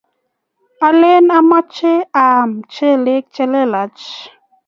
alen achame aame mchelek chelelach